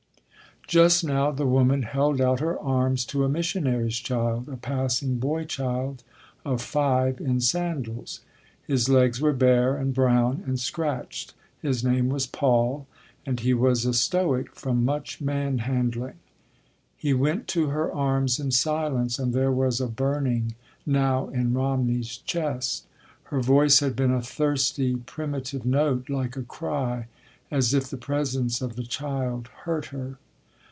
Just now the woman held out her arms to a missionary’s child—a passing boy child of five in sandals. His legs were bare and brown and scratched. His name was Paul and he was a stoic from much manhandling. He went to her arms in silence, and there was a burning now in Romney’s chest. Her voice had been a thirsty primitive note, like a cry, as if the presence of the child hurt her.